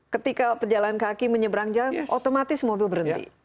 ketika pejalan kaki menyeberang jalan otomatis mobil berhenti